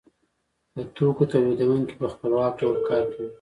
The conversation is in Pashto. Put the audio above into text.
د توکو تولیدونکی په خپلواک ډول کار کوي